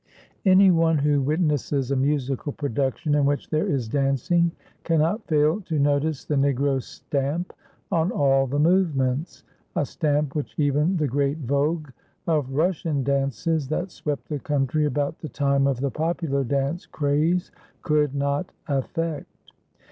Any one who witnesses a musical production in which there is dancing cannot fail to notice the Negro stamp on all the movements; a stamp which even the great vogue of Russian dances that swept the country about the time of the popular dance craze could not affect.